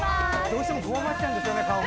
どうしてもこわばっちゃうんですよね。